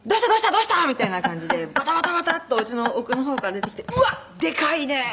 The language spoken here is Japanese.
どうした？みたいな感じでバタバタバタッとおうちの奥の方から出てきて「うわっ！でかいね！